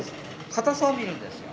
かたさを見るんですよ。